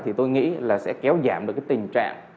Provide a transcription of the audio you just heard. thì tôi nghĩ là sẽ kéo giảm được cái tình trạng